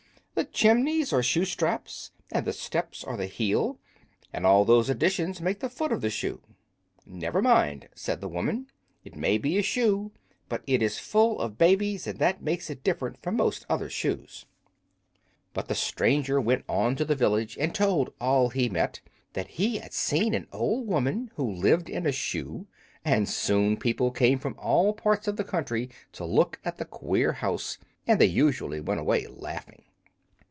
The chimneys are shoe straps, and the steps are the heel, and all those additions make the foot of the shoe." "Never mind," said the woman; "it may be a shoe, but it is full of babies, and that makes it different from most other shoes." But the stranger went on to the village and told all he met that he had seen an old woman who lived in a shoe; and soon people came from all parts of the country to look at the queer house, and they usually went away laughing.